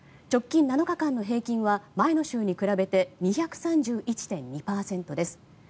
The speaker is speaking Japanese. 直近７日間平均は前の週に比べて２３１．２％です。